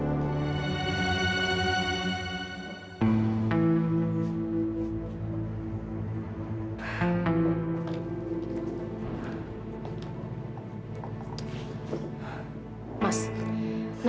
dan pindah bekerja di youtube bangkan batin yz